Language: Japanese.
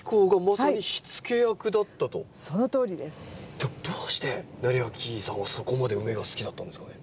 でもどうして斉昭さんはそこまでウメが好きだったんですかね？